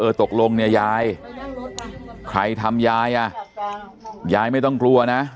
ตกลงเนี่ยยายใครทำยายอ่ะยายไม่ต้องกลัวนะ